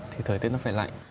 thì thời tiết nó phải lạnh